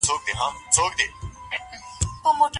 موږ بايد د کومو خبرو څخه ډډه وکړو؟